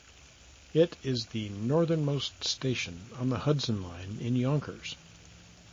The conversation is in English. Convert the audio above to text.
It is the northernmost station on the Hudson Line in Yonkers.